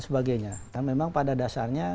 sebagainya memang pada dasarnya